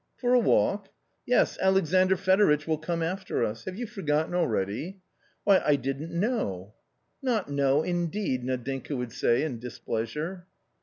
" For a walk ?" "Yes. Alexandr Fedoritch will come after us. Have you forgotten already ?"" Why, I didn't know." " Not know indeed !" Nadinka would say in displea sure.